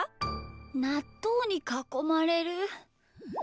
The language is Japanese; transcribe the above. なっとうにかこまれる？